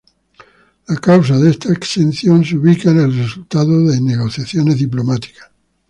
La causa de esta exención se ubica en el resultado de negociaciones diplomáticas.